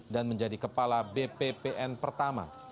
menjadi kepala bppn pertama